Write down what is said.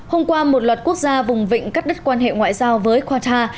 hôm qua một loạt quốc gia vùng vịnh cắt đứt quan hệ ngoại giao với artra